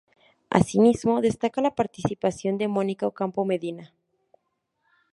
Así mismo, destaca la participación de Mónica Ocampo Medina.